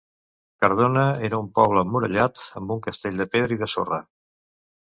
Cardona era un poble emmurallat amb un castell de pedra i de sorra.